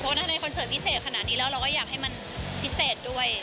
เพราะถ้าในคอนเสิร์ตพิเศษขนาดนี้แล้วเราก็อยากให้มันพิเศษด้วย